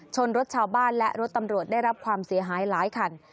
รถชาวบ้านและรถตำรวจได้รับความเสียหายหลายคัน